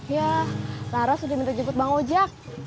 iya laras udah minta jemput bang ojak